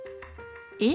えっ？